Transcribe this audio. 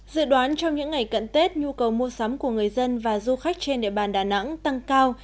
dự đoán trong những ngày cận tết nhu cầu mua sắm của người dân và du khách trên địa bàn đà nẵng tăng cao